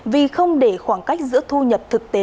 vì không để khoảng cách giữa thu nhập thực tế